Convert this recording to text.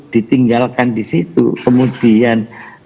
ditinggalkan di situ kemudian